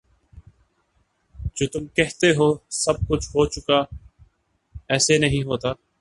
جو تم کہتے ہو سب کچھ ہو چکا ایسے نہیں ہوتا